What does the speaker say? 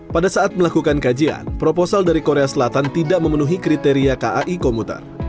pada saat melakukan kajian proposal dari korea selatan tidak memenuhi kriteria kai komuter